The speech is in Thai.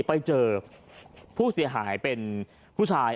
ไปเจอผู้เสียหายเป็นผู้ชาย